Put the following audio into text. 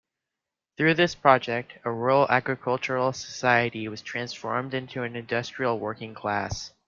Through this project, a rural agricultural society was transformed into an industrial working class.